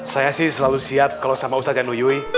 saya sih selalu siap kalau sama ustadz januyuy